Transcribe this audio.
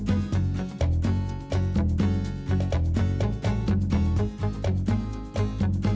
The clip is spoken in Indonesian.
terima kasih ya bu